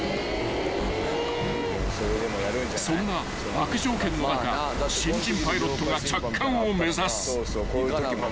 ［そんな悪条件の中新人パイロットが着艦を目指す］